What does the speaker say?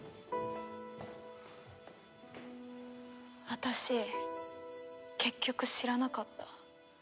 私結局知らなかった。